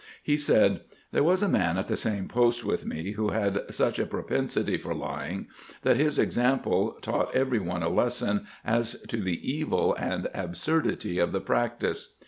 He said :" There was a man at the same post with me who had such a propensity for lying that his example taught every one a lesson as to the evil and absurdity of the practice.